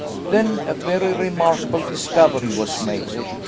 Then a very remarkable discovery was made.